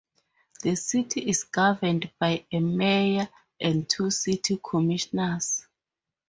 The city is governed by a mayor and two city commissioners.